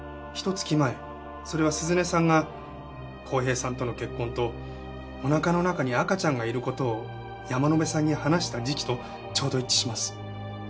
それは涼音さんが浩平さんとの結婚とお腹の中に赤ちゃんがいる事を山野辺さんに話した時期とちょうど一致します。